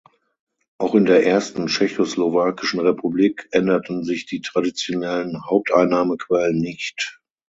Auch in der ersten tschechoslowakischen Republik änderten sich die traditionellen Haupteinnahmequellen nicht.